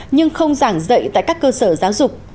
nhưng không giảng dạy tại các cơ sở giáo dục